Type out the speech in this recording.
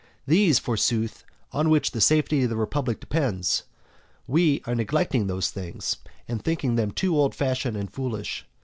Those, forsooth, on which the safety of the republic depends. We are neglecting those things, and thinking them too old fashioned and foolish.